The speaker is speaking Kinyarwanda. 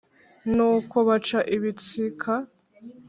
Nuko baca ibitsika